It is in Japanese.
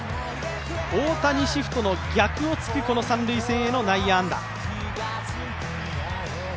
大谷シフトの逆を突くこの三塁線への内野安打。